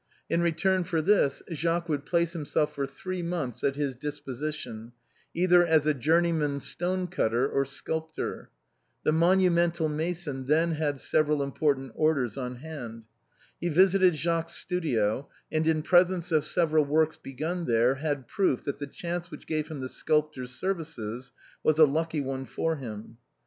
In return for this Jacques would place himself for three months at his disposition, either as journeyman stone cutter or sculptor. The monumental mason had then several important orders on hand. IJe visited Jacques's studio, and in presence of several works, begun there, had proof that the chance which gave him the sculptor's ser vices was a lucky one for him.